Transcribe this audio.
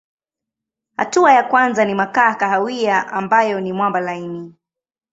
Hatua ya kwanza ni makaa kahawia ambayo ni mwamba laini.